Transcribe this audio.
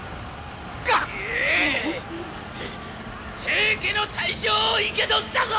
平家の大将を生け捕ったぞ！